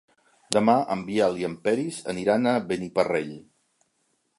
Demà en Biel i en Peris aniran a Beniparrell.